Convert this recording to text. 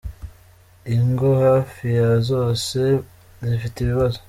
ingo hafi ya zose zifite ibibazo.